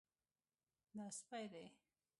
دا سپی دی